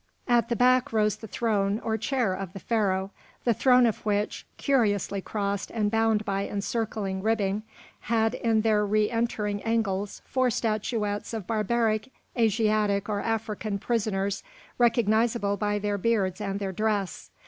At the back rose the throne, or chair, of the Pharaoh, the feet of which, curiously crossed and bound by encircling ribbing, had in their re entering angles four statuettes of barbaric Asiatic or African prisoners recognisable by their beards and their dress.